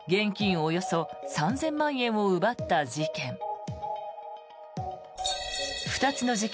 およそ３０００万円を奪った事件。